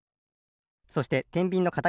そしててんびんのかた